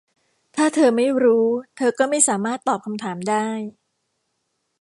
ถ้าเธอไม่รู้ เธอก็ไม่สามารถตอบคำถามได้